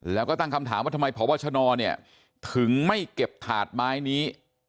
แล้วก็ตั้งคำถามว่าทำไมพบชนถึงไม่เก็บถาดไม้นี้